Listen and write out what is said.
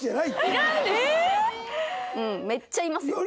うんめっちゃいますよ。